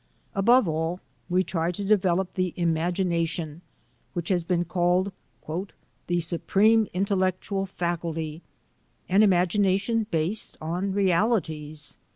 Above all, we try to develop the imagination, which has been called "the supreme intellectual faculty" — an imagination based on realities.